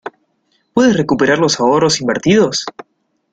¿Puedes recuperar los ahorros invertidos?